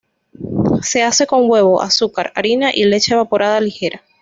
Se hace con huevo, azúcar, harina y leche evaporada ligera.